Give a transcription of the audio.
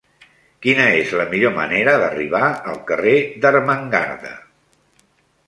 Quina és la millor manera d'arribar al carrer d'Ermengarda?